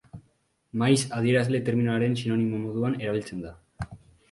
Maiz, adierazle terminoaren sinonimo moduan erabiltzen da.